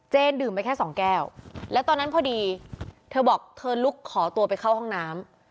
ดื่มไปแค่สองแก้วแล้วตอนนั้นพอดีเธอบอกเธอลุกขอตัวไปเข้าห้องน้ำ